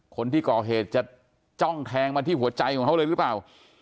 คนที่ก่อเหตุจะจ้องแทงมาที่หัวใจของเขาเลยหรือเปล่า